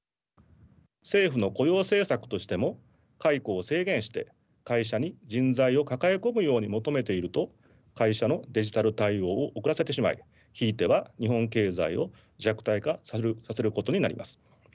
政府の雇用政策としても解雇を制限して会社に人材を抱え込むように求めていると会社のデジタル対応を遅らせてしまいひいては日本経済を弱体化させることになります。